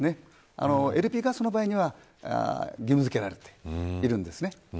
ＬＰガスの場合には義務付けられているんですね。